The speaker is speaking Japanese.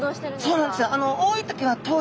そうなんです。